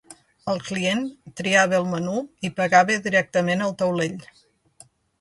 El client triava el menú i pagava directament al taulell.